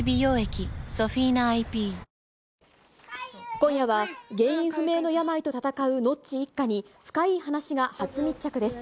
今夜は、原因不明の病と闘うノッチ一家に、深イイ話が初密着です。